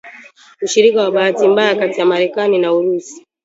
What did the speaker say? ushiriki wa bahati mbaya kati ya Marekani na Urusi